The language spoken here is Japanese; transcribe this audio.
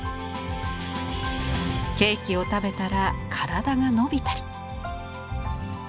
ケーキを食べたら体が伸びたり。